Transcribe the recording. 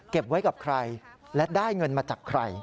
ไว้กับใครและได้เงินมาจากใคร